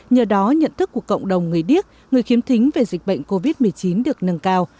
nhờ đó nhận thức của cộng đồng người điếc người khiếm thính về dịch bệnh covid một mươi chín được nâng cao